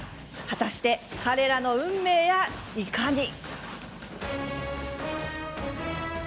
果たして彼らの運命やいかに。